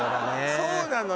そうなのよ。